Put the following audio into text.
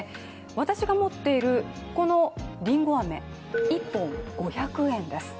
私が持っている、このりんご飴、１本５００円です。